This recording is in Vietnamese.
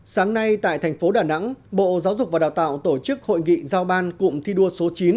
sáng nay tại thành phố đà nẵng bộ giáo dục và đào tạo tổ chức hội nghị giao ban cụm thi đua số chín